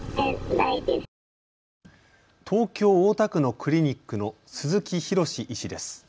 東京大田区のクリニックの鈴木央医師です。